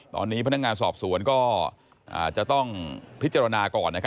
ตอนนี้พนักงานสอบสวนก็จะต้องพิจารณาก่อน